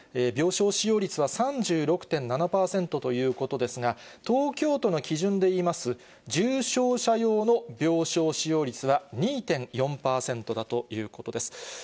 病床使用率は３６．７％ということですが、東京都の基準で言います重症者用の病床使用率は２．４％だということです。